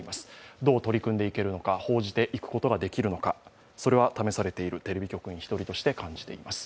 どう取り組んでいけるのか報じていくことができるのかそれが試されている、テレビ局の一人として感じています。